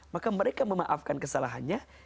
maka mereka memaafkan kesalahannya